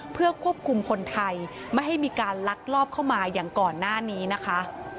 เพื่อควบคุมคนไทยไม่ให้มีการลักลอบเข้ามาอย่างก่อนหน้านี้นะคะ